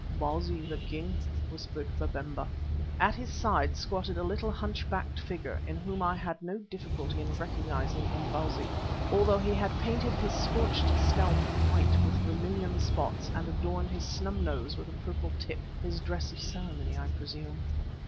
"Bausi, the King," whispered Babemba. At his side squatted a little hunchbacked figure, in whom I had no difficulty in recognising Imbozwi, although he had painted his scorched scalp white with vermillion spots and adorned his snub nose with a purple tip, his dress of ceremony I presume.